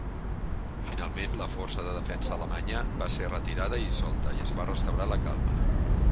Finalment, la força de defensa alemanya va ser retirada i dissolta, i es va restaurar la calma.